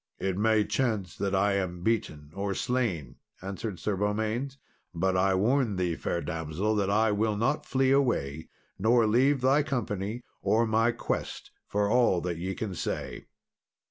"It may chance that I am beaten or slain," answered Sir Beaumains, "but I warn thee, fair damsel, that I will not flee away, nor leave thy company or my quest, for all that ye can say."